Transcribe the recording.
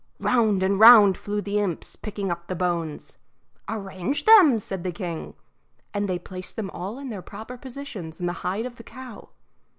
Round and round flew the imps, picking up the bones. "Arrange them," said the king; and they placed them all in their proper positions in the hide of the cow.